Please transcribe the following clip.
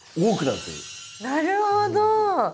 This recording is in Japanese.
なるほど！